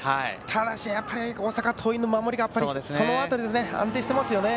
ただし、大阪桐蔭の守りがその辺り、安定していますよね。